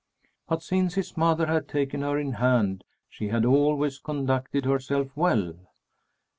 But since his mother had taken her in hand, she had always conducted herself well.